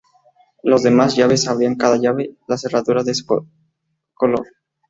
Las demás llaves abrían cada llave la cerradura de su color.